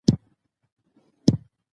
ماشوم له ملګرو سره خپله تجربه شریکه کړه